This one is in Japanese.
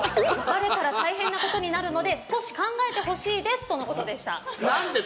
バレたら大変なことになるので少し考えてほしいですとのことでした。